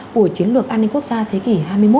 của chiến lược an ninh quốc gia thế kỷ hai mươi một